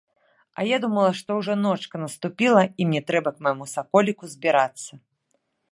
А я думала, што ўжо ночка наступіла і мне трэба к майму саколіку збірацца.